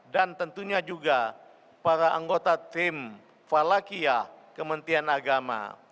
dan tentunya juga para anggota tim falakia kementian agama